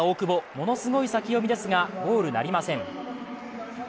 ものすごい先読みですが、ゴールなりません。